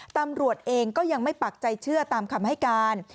ตำรวจเองก็ยังไม่ปักใจเชื่อตามคำให้การ